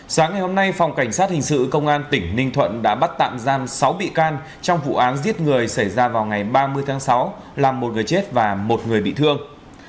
sáng ngày hôm nay phòng cảnh sát hình sự công an tỉnh ninh thuận đã bắt tạm giam sáu bị can trong vụ án giết người xảy ra vào ngày ba mươi tháng sáu làm một người chết và một người bị thương